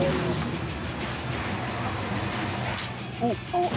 おっ！